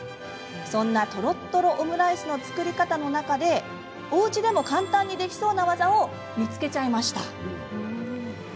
そんなとろっとろオムライスの作り方の中でおうちでも簡単にできそうな技を見つけちゃいました。